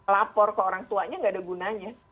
lapor ke orang tuanya nggak ada gunanya